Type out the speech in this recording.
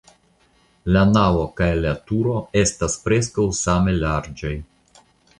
La navo kaj la turo estas preskaŭ same larĝaj.